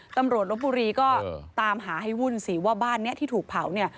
ตำรวจลบบุรีก็ตามหาให้วุ่นสิว่าบ้านนี้ที่ถูกเผาเนี่ย